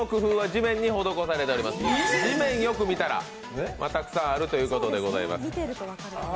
地面をよく見たらたくさんあるということでございます。